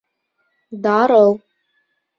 Дарыу